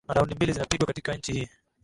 na raundi mbili zinapigwa katika nchi hii